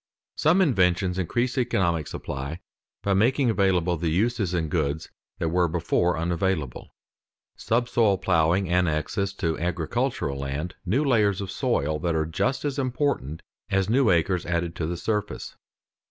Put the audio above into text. _ Some inventions increase economic supply by making available the uses in goods that were before unavailable. Subsoil ploughing annexes to agricultural land new layers of soil that are just as important as new acres added to the surface.